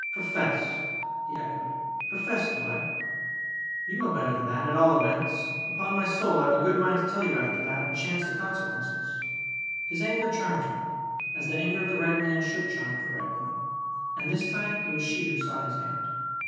"Profess!" he echoed. "Profess, do I? You know better than that, at all events! Upon my soul I've a good mind to tell you after that, and chance the consequences!" His anger charmed her, as the anger of the right man should charm the right woman. And this time it was she who sought his hand.